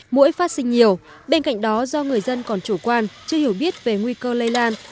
mũi phát sinh nhiều bên cạnh đó do người dân còn chủ quan chưa hiểu biết về nguy cơ lây lan